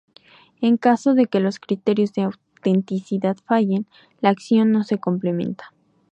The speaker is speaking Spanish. En caso de que los criterios de autenticidad fallen, la acción no se completa.